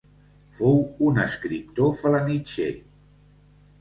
Fou un escriptor felanitxer.